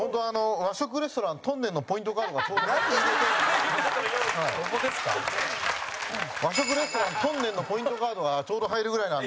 和食レストランとんでんのポイントカードがちょうど入るぐらいなんで。